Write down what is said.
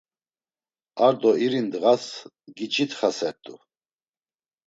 Ar do iri ndğas giç̌itxasert̆u.